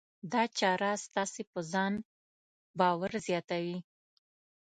دا چاره ستاسې په ځان باور زیاتوي.